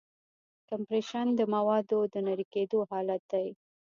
کمپریشن د موادو د نری کېدو حالت دی.